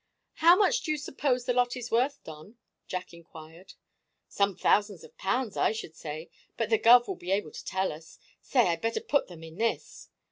"How much do you suppose the lot is worth; Don?" Jack inquired. "Some thousands of pounds, I should say. But the guv will be able to tell us. Say, I'd better put them in this."